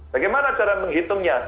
bagaimana cara menghitungnya